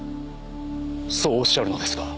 そうおっしゃるのですか？